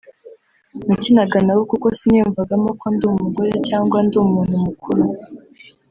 nakinaga nabo kuko siniyumvagamo ko ndi umugore cyangwa ko ndi umuntu mukuru